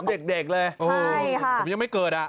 อุ้ยเด็กเลยผมยังไม่เกิดอะ